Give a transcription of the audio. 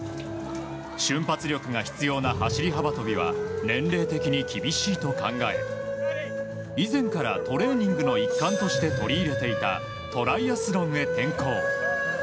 瞬発力が必要な走り幅跳びは年齢的に厳しいと考え以前からトレーニングの一環として取り入れていたトライアスロンへ転向。